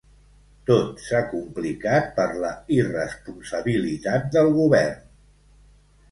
Tot s'ha complicat per la irresponsabilitat del Govern.